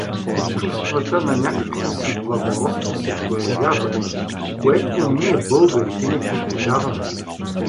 Чувствата на някакво си благородство се проявяват, което ние, българите, не притежаваме.